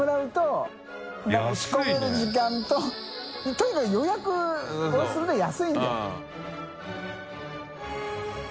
とにかく予約をすると安いんだよ。